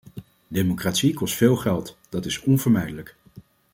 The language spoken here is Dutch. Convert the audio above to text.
Democratie kost veel geld, dat is onvermijdelijk.